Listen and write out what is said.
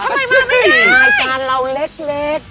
ทำไมมาไม่ได้